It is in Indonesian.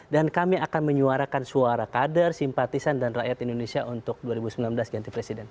dan kami akan menyuarakan suara kader simpatisan dan rakyat indonesia untuk dua ribu sembilan belas ganti presiden